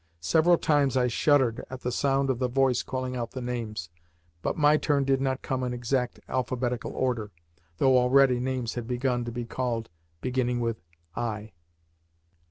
Several times I shuddered at the sound of the voice calling out the names, but my turn did not come in exact alphabetical order, though already names had begun to be called beginning with "I."